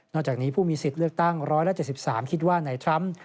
จากนี้ผู้มีสิทธิ์เลือกตั้ง๑๗๓คิดว่าในทรัมป์